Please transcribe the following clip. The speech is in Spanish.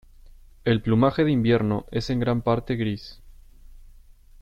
El plumaje de invierno es en gran parte gris.